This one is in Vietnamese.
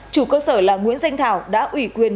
chủ cơ sở là nguyễn danh thảo đã ủy quyền